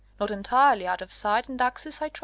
Not entirely out of sight and access, I trust?"